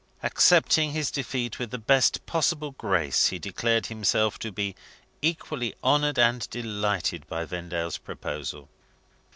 Accepting his defeat with the best possible grace, he declared himself to be equally honoured and delighted by Vendale's proposal.